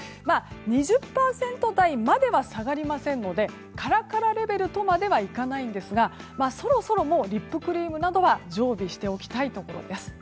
２０％台までは下がりませんのでカラカラレベルとまではいかないんですがそろそろもうリップクリームなどは常備しておきたいところです。